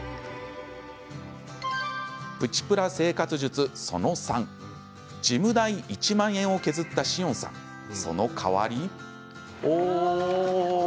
プチプラ生活術その３ジム代１万円を削った紫苑さんその代わり。